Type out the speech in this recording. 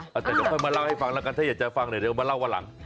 แต่เดี๋ยวค่อยมาเล่าให้ฟังแล้วกันถ้าอยากจะฟังเนี่ยเดี๋ยวมาเล่าวันหลัง